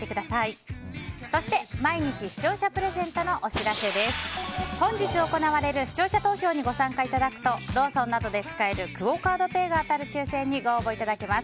本日行われる視聴者投票にご参加いただくとローソンなどで使えるクオ・カードペイが当たる抽選にご応募いただけます。